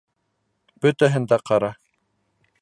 Бөтәһен дә ҡара!